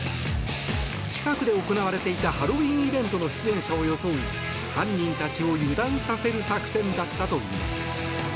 近くで行われていたハロウィーンイベントの出演者を装い犯人たちを油断させる作戦だったといいます。